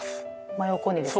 真横にですか？